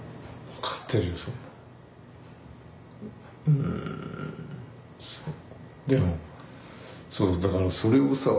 うんでもだからそれをさ